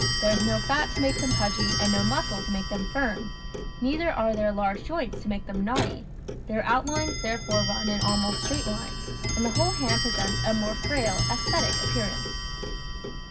There is no fat to make them pudgy and no muscle to make them firm. Neither are there large joints to make them knotty. Their outlines therefore run in almost straight lines and the whole hand presents a more frail, aesthetic appearance.